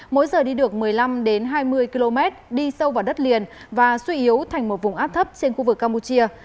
mỗi giờ đi được một mươi năm hai mươi km đi sâu vào đất liền và suy yếu thành một vùng áp thấp trên khu vực campuchia